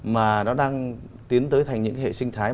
mà nó đang tiến tới thành những hệ sinh thái